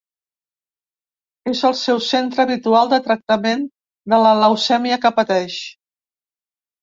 És el seu centre habitual de tractament de la leucèmia que pateix.